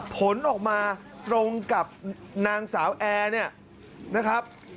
ผลออกมาตรงกับนางสาวแอร์เนี่ยนะครับ